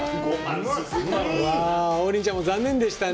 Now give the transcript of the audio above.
王林ちゃんも残念でしたね。